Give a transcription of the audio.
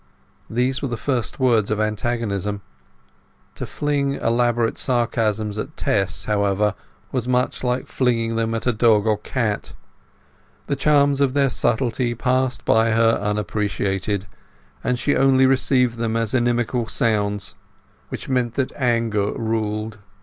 These were the first words of antagonism. To fling elaborate sarcasms at Tess, however, was much like flinging them at a dog or cat. The charms of their subtlety passed by her unappreciated, and she only received them as inimical sounds which meant that anger ruled.